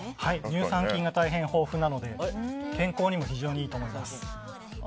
乳酸菌が大変豊富ですので健康にも非常にいいと思います。